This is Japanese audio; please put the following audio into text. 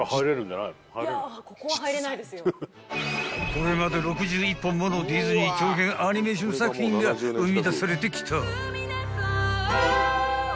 ［これまで６１本ものディズニー長編アニメーション作品が生み出されてきた］